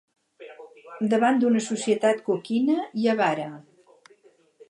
Davant d'una societat coquina i avara